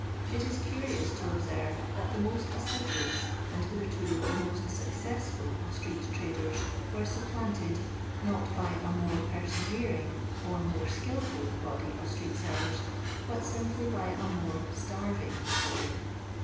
It is curious to observe that the most assiduous, and hitherto the most successful of street traders, were suppUuited, not by a more penerering or more skilful body of street sellers, bnt simply by a more itarn'nff body.